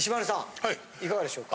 いかがでしょうか？